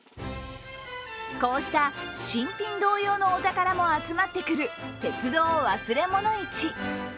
こうした新品同様のお宝も集まってくる鉄道忘れ物市。